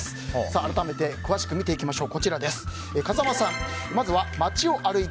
改めて詳しく見ていきましょう。